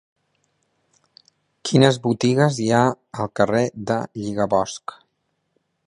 Quines botigues hi ha al carrer del Lligabosc?